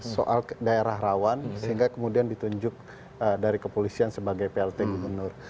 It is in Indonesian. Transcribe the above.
soal daerah rawan sehingga kemudian ditunjuk dari kepolisian sebagai plt gubernur